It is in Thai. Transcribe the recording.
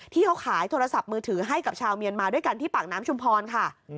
ที่เขาขายโทรศัพท์มือถือให้กับชาวเมียนมาด้วยกันที่ปากน้ำชุมพรค่ะ